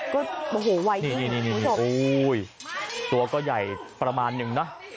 ก็โอ้โหไวจริงนี่นี่นี่นี่โอ้ยตัวก็ใหญ่ประมาณหนึ่งน่ะ